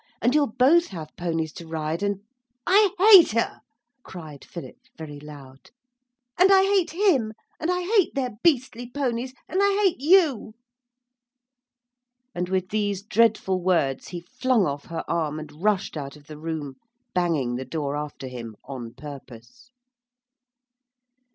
And you'll both have ponies to ride, and ' 'I hate her,' cried Philip, very loud, 'and I hate him, and I hate their beastly ponies. And I hate you!' And with these dreadful words he flung off her arm and rushed out of the room, banging the door after him on purpose.